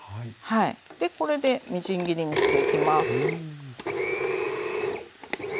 でこれでみじん切りにしていきます。